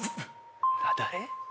誰？